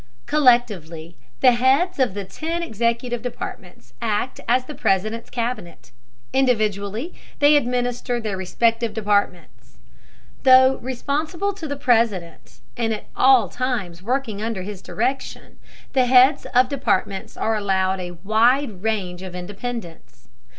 Collectively the heads of the ten executive departments act as the President's Cabinet; individually they administer their respective departments. Though responsible to the President and at all times working under his direction, the heads of departments are allowed a wide range of independence.